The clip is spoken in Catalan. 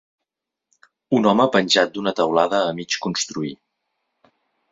Un home penjat d'una taulada a mig construir.